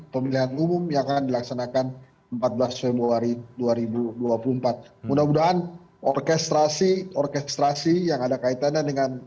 pemilihan umum yang akan dilaksanakan